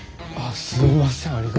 あっすいません。